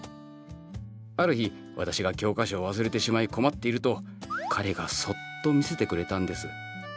ある日私が教科書を忘れてしまい困っていると彼がそっと見せてくれたんです。